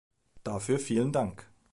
Dafür vielen Dank!